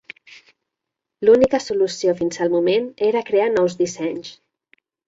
L'única solució fins al moment era crear nous dissenys.